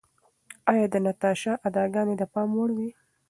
ایا د ناتاشا اداګانې د پام وړ وې؟